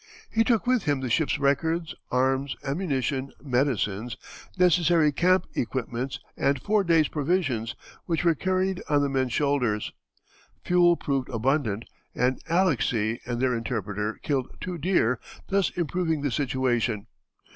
He took with him the ship's records, arms, ammunition, medicines, necessary camp equipments, and four days' provisions, which were carried on the men's shoulders. Fuel proved abundant, and Alexey, their interpreter, killed two deer, thus improving the situation.